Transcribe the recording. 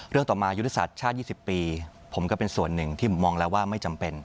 ต่อมายุทธศาสตร์ชาติ๒๐ปีผมก็เป็นส่วนหนึ่งที่ผมมองแล้วว่าไม่จำเป็น